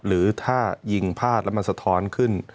หรือถ้ายิงพลาดแล้วมันสะท้อนขึ้น